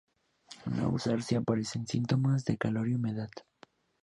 No usar si aparecen síntomas de calor y humedad.